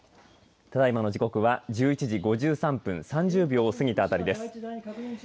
ただいまの時刻は１１時５３分３０秒を過ぎたあたりです。